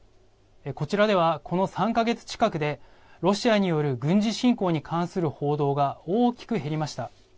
こちらでは、この３か月近くでロシアによる軍事侵攻に関する報道が大きく減りました。